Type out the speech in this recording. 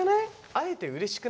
会えてうれしくない？